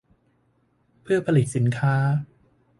เพื่อผลิตสินค้า